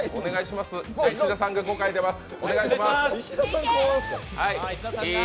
では、石田さんが５回出ます。